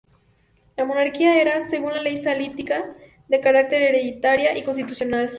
La monarquía era, según la ley sálica, de carácter hereditaria y constitucional.